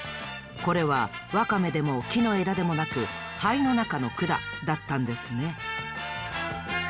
これはワカメでも木のえだでもなく肺のなかのくだだったんですね。